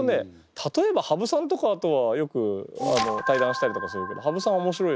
例えば羽生さんとかとはよく対談したりとかするけど羽生さんおもしろい。